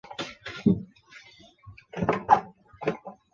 也曾多次在中国国家领导人访港期间抬棺材至会场外抗议。